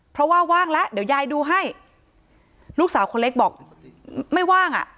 เพราะว่าว่างแล้วเดี๋ยวยายดูให้ลูกสาวคนเล็กบอกไม่ว่างอ่ะ